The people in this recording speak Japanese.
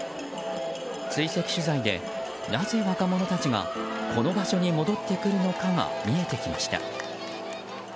追跡取材で、なぜ若者たちがこの場所に戻ってくるのかが見えてきました。